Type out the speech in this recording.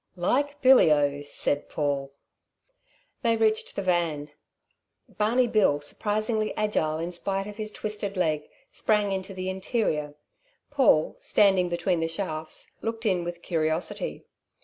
"Like billy o," said Paul. They reached the van. Barney Bill, surprisingly agile in spite of his twisted leg, sprang into the interior. Paul, standing between the shafts, looked in with curiosity.